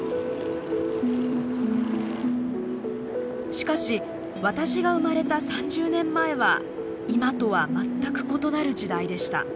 しかし私が生まれた３０年前は今とは全く異なる時代でした。